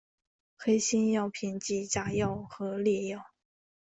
黑心药品即假药和劣药。